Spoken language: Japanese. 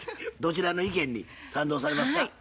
どちらの意見に賛同されますか？